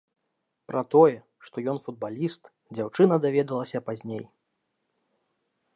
Пра тое, што ён футбаліст, дзяўчына даведалася пазней.